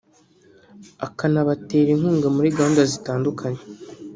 akanabatera inkunga muri gahunda zitandukanye